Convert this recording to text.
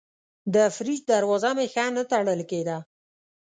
د فریج دروازه مې ښه نه تړل کېده.